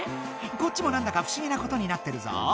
こっちもなんだかふしぎなことになってるぞ。